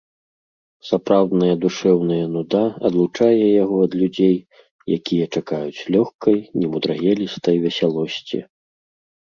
Сапраўдная душэўная нуда адлучае яго ад людзей, якія чакаюць лёгкай, немудрагелістай весялосці.